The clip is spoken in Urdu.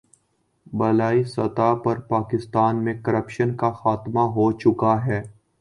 بالائی سطح پر پاکستان میں کرپشن کا خاتمہ ہو چکا ہے۔